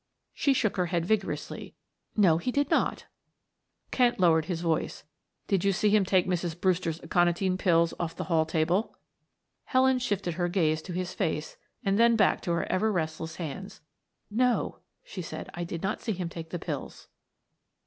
She shook her head vigorously. "No, he did not." Kent lowered his voice. "Did you see him take Mrs. Brewster's aconitine pills off the hall table?" Helen shifted her gaze to his face and then back to her ever restless hands. "No," she said. "I did not see him take the pills."